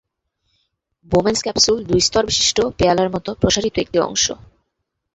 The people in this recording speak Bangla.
বোমান্স ক্যাপসুল দুই স্তরবিশিষ্ট পেয়ালার মতো প্রসারিত একটি অংশ।